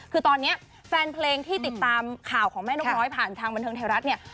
คือตอนนี้แฟนเพลงที่ติดตามข่าวของแม่นกน้อยผ่านทางบันเทิงไทยรัฐเนี่ย